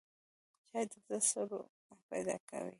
چای د زړه سرور پیدا کوي